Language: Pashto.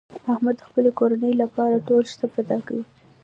احمد د خپلې کورنۍ لپاره ټول شته فدا کوي.